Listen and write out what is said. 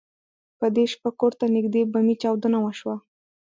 په دې شپه کور ته نږدې بمي چاودنه وشوه.